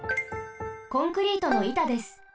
コンクリートのいたです。